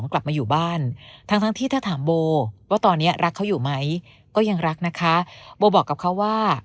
ก็ยังรักนะคะโบบอกกับเขาว่า